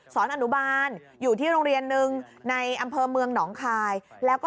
อนุบาลอยู่ที่โรงเรียนหนึ่งในอำเภอเมืองหนองคายแล้วก็